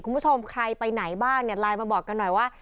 คุณผู้ชมใครไปไหนบ้างเนี่ยไลน์มาบอกกันหน่อยว่า